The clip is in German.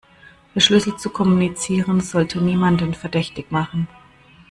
Verschlüsselt zu kommunizieren sollte niemanden verdächtig machen.